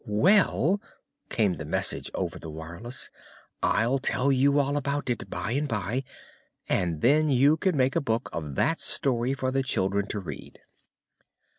"Well," came the message over the wireless, "I'll tell you all about it, by and by, and then you can make a book of that story for the children to read."